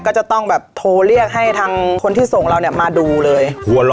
ก็จะต้องแบบโทรเรียกให้ทางคนที่ส่งเราเนี่ยมาดูเลย